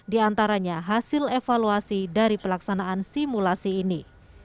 diantaranya hasil evaluasi dari pelaksanaan simulasi ini